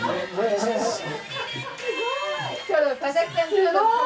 すごい。